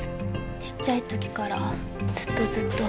ちっちゃい時からずっとずっと。